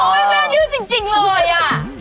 โอ๊ยแม่ด้วยจริงเลยอ่ะ